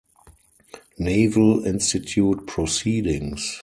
Naval Institute "Proceedings".